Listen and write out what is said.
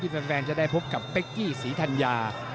แฟนจะได้พบกับเป๊กกี้ศรีธัญญา